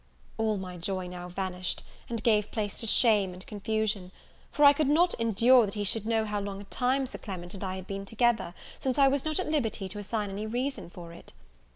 All my joy now vanished, and gave place to shame and confusion; for I could not endure that he should know how long a time Sir Clement and I had been together, since I was not at liberty to assign any reason for it.